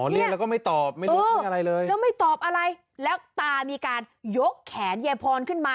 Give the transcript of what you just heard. เรียงแล้วไม่ตอบ